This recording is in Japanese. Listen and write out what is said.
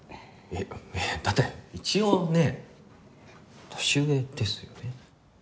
えっだって一応ねえ年上ですよね？